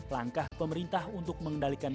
langkah pemerintah untuk mengendalikan